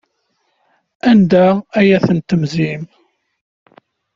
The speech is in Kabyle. Anda ay tent-temzim?